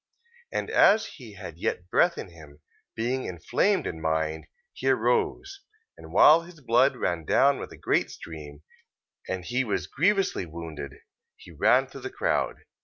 And as he had yet breath in him, being inflamed in mind, he arose: and while his blood ran down with a great stream, and he was grievously wounded, he ran through the crowd: 14:46.